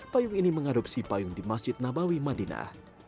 payung ini mengadopsi payung di masjid nabawi madinah